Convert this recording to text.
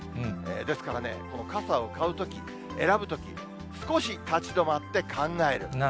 ですからね、この傘を買うとき、選ぶとき、少し立ち止まって考える。